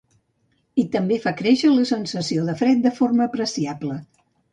I també fa créixer la sensació de fred de forma apreciable.